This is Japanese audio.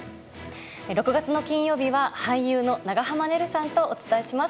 ６月の金曜日は、俳優の長濱ねるさんとお伝えします。